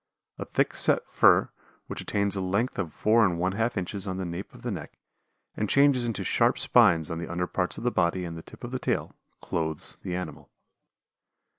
A thick set fur, which attains a length of four and one half inches on the nape of the neck and changes into sharp spines on the under parts of the body and the tip of the tail, clothes the animal.